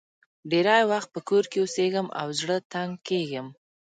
ډېری وخت په کور کې اوسېږم او زړه تنګ کېږم.